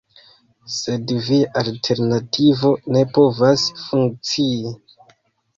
Sed via alternativo ne povas funkcii.